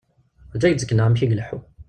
Ṛǧu ad ak-d-sekneɣ amek i ileḥḥu.